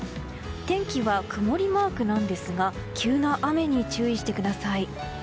天気は曇りマークなんですが急な雨に注意してください。